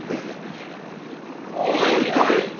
置いといて！